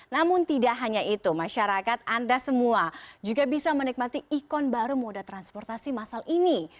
namun tidak hanya itu masyarakat anda semua juga bisa menikmati ikon baru moda transportasi masal ini